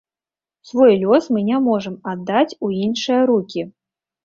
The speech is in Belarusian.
Свой лёс мы не можам аддаць у іншыя рукі.